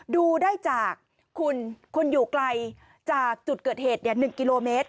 ดูได้จากคุณอยู่ไกลจากจุดเกิดเหตุ๑กิโลเมตร